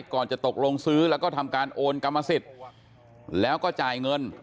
ก่อนจะตกลงซื้อแล้วก็ทำการโอนกรรมสิทธิ์แล้วก็จ่ายเงิน